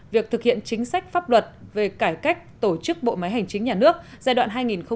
việc thực hiện chính sách pháp luật về cải cách tổ chức bộ máy hành chính nhà nước giai đoạn hai nghìn một mươi tám hai nghìn hai mươi